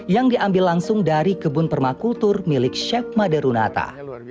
yang diambil langsung dari kebun permakultur milik chef maderunata